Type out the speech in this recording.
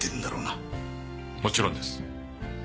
もちろんです。